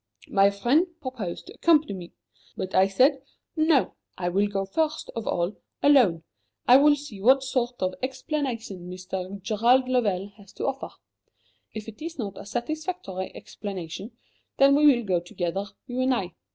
My friend proposed to accompany me. But I said: 'No. I will go, first of all, alone. I will see what sort of explanation Mr. Gerald Lovell has to offer. If it is not a satisfactory explanation, then we will go together, you and I.'